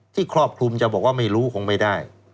ครอบคลุมจะบอกว่าไม่รู้คงไม่ได้